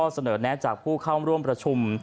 เสนอแนะจากผู้เข้าร่วมประชุม